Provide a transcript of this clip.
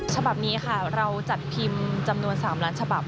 ฉบับนี้ค่ะเราจัดพิมพ์จำนวน๓ล้านฉบับ